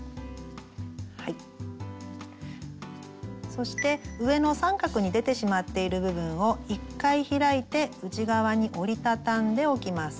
そして上の三角に出てしまっている部分を１回開いて内側に折り畳んでおきます。